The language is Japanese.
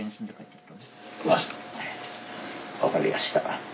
分かりました。